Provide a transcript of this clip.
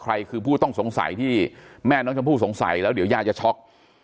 ใครคือผู้ต้องสงสัยที่แม่น้องชมพู่สงสัยแล้วเดี๋ยวยายจะช็อก